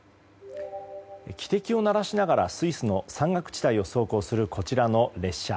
汽笛を鳴らしながらスイスの山岳地帯を走行する、こちらの列車。